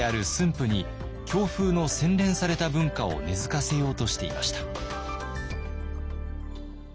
府に京風の洗練された文化を根づかせようとしていました。